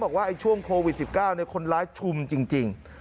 บอกว่าช่วงโควิด๑๙คนร้ายชุมจริง